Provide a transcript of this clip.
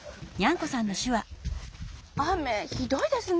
雨ひどいですね。